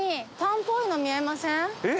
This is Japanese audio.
えっ？